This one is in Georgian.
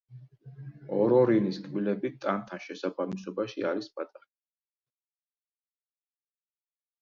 ორორინის კბილები ტანთან შესაბამისობაში არის პატარა.